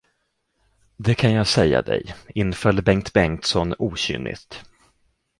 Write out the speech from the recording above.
Det kan jag säga dig, inföll Bengt Bengtsson okynnigt.